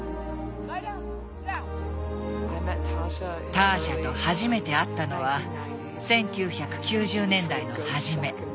ターシャと初めて会ったのは１９９０年代の初め。